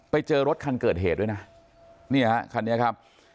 ไปเจอรถคันเกิดเหตุด้วยนะเนี่ยฮะคันนี้ครับ